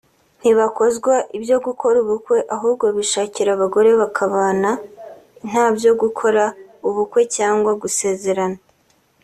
ntibakozwa ibyo gukora ubukwe ahubwo bishakira abagore bakabana ntabyo gukora ubukwe cyangwa gusezerana